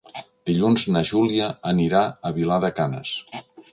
Dilluns na Júlia anirà a Vilar de Canes.